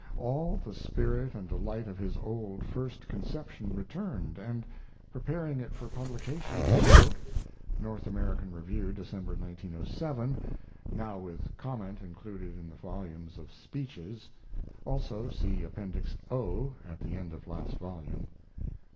All the spirit and delight of his old first conception returned, and preparing it for publication, he wrote: [North American Review, December, 1907, now with comment included in the volume of "Speeches." (Also see Appendix O, at the end of last volume.)